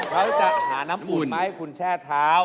เราจะหาน้ำอุ่นมาให้คุณแช่เท้า